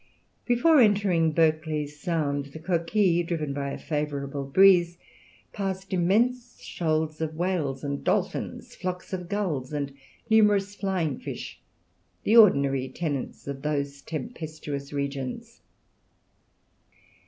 Before entering Berkeley Sound the Coquille, driven by a favourable breeze, passed immense shoals of whales and dolphins, flocks of gulls and numerous flying fish, the ordinary tenants of those tempestuous regions.